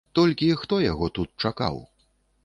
Толькі хто яго тут чакаў?